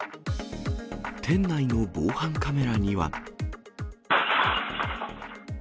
店内の防犯カメラには。